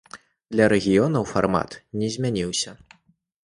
Для рэгіёнаў фармат не змяніўся.